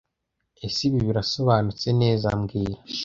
Ese ibi birasobanutse neza mbwira